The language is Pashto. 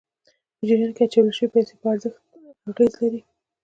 په جریان کې اچول شويې پیسې په ارزښت اغېز لري.